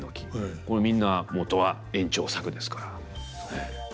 これみんなもとは圓朝作ですから。